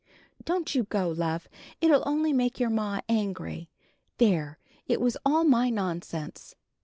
"Don't you go, love; it'll only make your ma angry. There; it was all my nonsense."